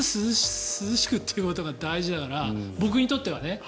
涼しくということが大事だから僕にとってはね。